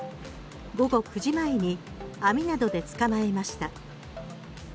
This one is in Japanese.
午後９時前に網などで捕まえました。